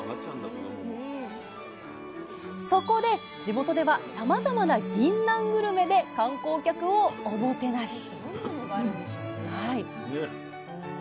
そこで地元ではさまざまな「ぎんなんグルメ」で観光客をおもてなし